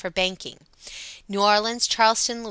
(for banking); New Orleans, Charleston, La.